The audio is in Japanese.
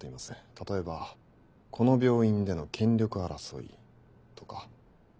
例えばこの病院での権力争いとか。